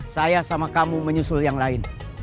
saya sama kamu menyusul yang lain